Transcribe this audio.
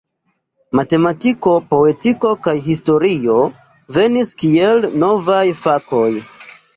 Matematiko, poetiko kaj historio venis kiel novaj fakoj.